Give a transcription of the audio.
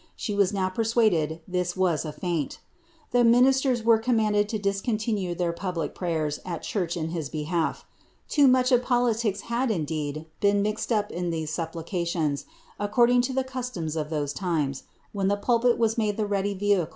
she was now persuaded ihis was a feint. The ministers were com manded lo discontinue their public pravers at church in his behalf. Too much of politics had, indeed, been mixed up in these supplications, ac cording to ihc custom of those times, when the pulpit was made the really vehicle of parly agitation.'